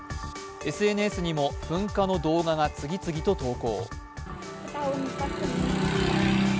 ＳＮＳにも噴火の動画が次々と投稿。